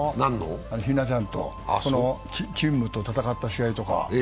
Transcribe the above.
ひなちゃんと、このチームと戦った試合とか。